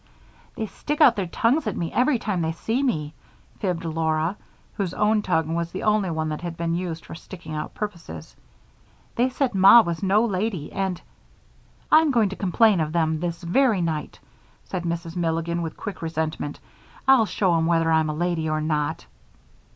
"They stick out their tongues at me every time they see me," fibbed Laura, whose own tongue was the only one that had been used for sticking out purposes. "They said Ma was no lady, and " "I'm going to complain of them this very night," said Mrs. Milligan, with quick resentment. "I'll show 'em whether I'm a lady or not."